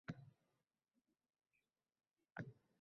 Bahslashish inson tabiatiga xos xususiyat.